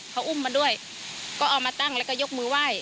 เขาอุ้มมาด้วยก็เอามาตั้งแล้วก็ยกมือไหว้